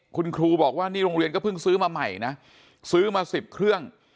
คุณครูบอกว่านี่โรงเรียนก็เพิ่งซื้อมาใหม่นะซื้อมา๑๐เครื่อง